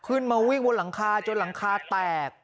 ขึ้นมาวิ่งบนหลังคาจนหลังคาแตก